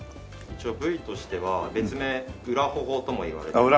一応部位としては別名「裏ホホ」ともいわれてまして。